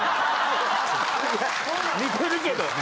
似てるけどね。